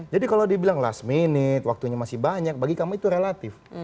jadi kalau dibilang last minute waktunya masih banyak bagi kami itu relatif